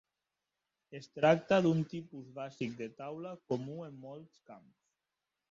Es tracta d'un tipus bàsic de taula comú en molts camps.